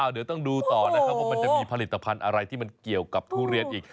เดี๋ยวต้องดูต่อนะครับว่ามันจะมีผลิตภัณฑ์อะไรที่มันเกี่ยวกับทุเรียนอีก